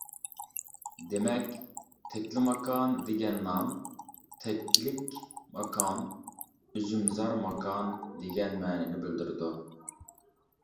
دېمەك، «تەكلىماكان» دېگەن نام «تەكلىك ماكان، ئۈزۈمزار ماكان» دېگەن مەنىنى بىلدۈرىدۇ.